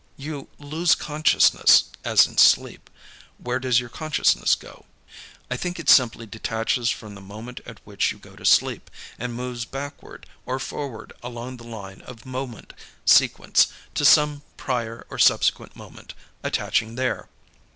You 'lose consciousness' as in sleep; where does your consciousness go? I think it simply detaches from the moment at which you go to sleep, and moves backward or forward along the line of moment sequence, to some prior or subsequent moment, attaching there."